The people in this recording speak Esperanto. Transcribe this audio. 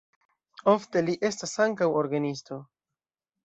Ofte li estas ankaŭ orgenisto.